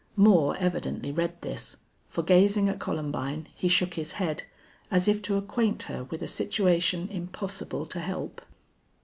Moore evidently read this, for, gazing at Columbine, he shook his head, as if to acquaint her with a situation impossible to help.